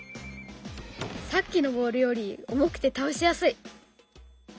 さっきのボールより重くて倒しやすい。